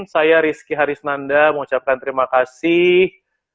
saya rizky harisnanda mengucapkan terima kasih